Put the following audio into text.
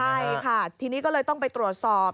ใช่ค่ะทีนี้ก็เลยต้องไปตรวจสอบ